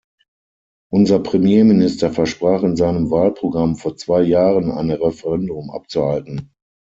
Unser Premierminister versprach in seinem Wahlprogramm vor zwei Jahren, ein Referendum abzuhalten.